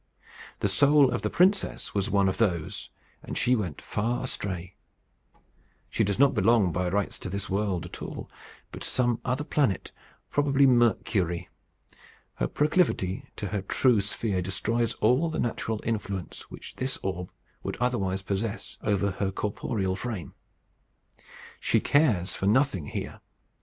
The soul of the princess was one of those, and she went far astray. She does not belong by rights to this world at all, but to some other planet, probably Mercury. Her proclivity to her true sphere destroys all the natural influence which this orb would otherwise possess over her corporeal frame. She cares for nothing here.